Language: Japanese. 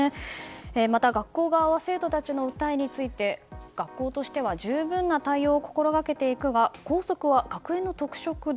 また学校側は生徒たちの訴えに対して学校としては十分な対応を心がけていくが校則は学園の特色だ。